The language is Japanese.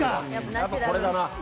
やっぱこれだな。